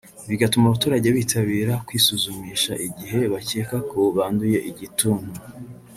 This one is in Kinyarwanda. bigatuma abaturage bitabira kwisuzumisha igihe bakeka ko banduye igituntu